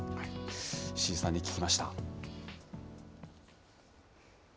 石井さんに聞きました。